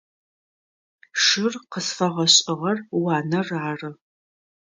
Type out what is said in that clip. Шыр къызфэгъэшӏыгъэр уанэр ары.